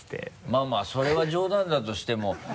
まぁまぁそれは冗談だとしても。